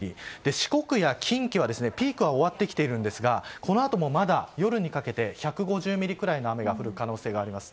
四国や近畿はピークは終わってきているんですがこのあともまだ夜にかけて１５０ミリくらいの雨が降る可能性があります。